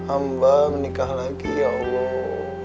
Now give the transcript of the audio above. amba menikah lagi ya allah